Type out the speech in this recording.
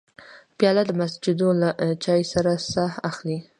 پیاله د مسجدو له چای سره ساه اخلي.